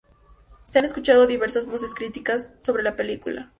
Se han escuchado diversas voces críticas sobre la película.